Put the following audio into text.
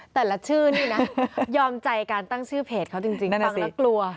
แต่ละชื่อนี่นะยอมใจการตั้งชื่อเพจเขาจริงฟังแล้วกลัว